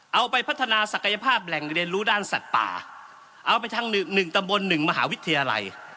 เอาไปพัฒนาศักยภาพแหล่งเรียนรู้ด้านสัตว์ป่าเอาไปทางหนึ่งตำบลหนึ่งมหาวิทยาลัย